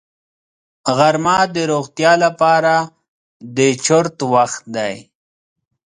غرمه د روغتیا لپاره د چرت وخت دی